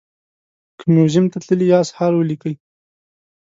که موزیم ته تللي یاست حال ولیکئ.